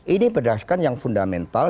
ini berdasarkan yang fundamental